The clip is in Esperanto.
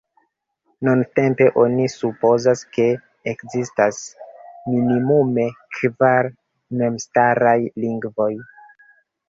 Nuntempe oni supozas, ke ekzistas minimume kvar memstaraj lingvoj.